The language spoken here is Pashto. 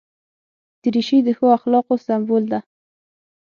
دریشي د ښو اخلاقو سمبول ده.